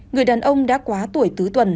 người đàn ông đã quá tuổi tứ tuần